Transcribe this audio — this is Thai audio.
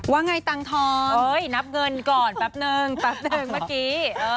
ว่าไงตังทองนับเงินก่อนแป๊บนึงแป๊บหนึ่งเมื่อกี้